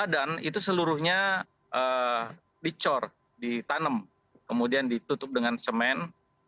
dan itu seluruhnya dicor ditanam kemudian ditutup dengan semen